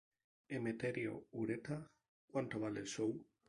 Emeterio Ureta: ¿Cuánto vale el show?.